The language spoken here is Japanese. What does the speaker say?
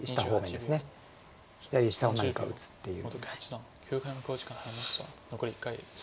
左下を何か打つっていう。